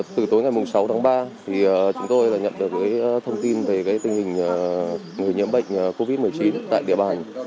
từ tối ngày sáu tháng ba chúng tôi nhận được thông tin về tình hình người nhiễm bệnh covid một mươi chín tại địa bàn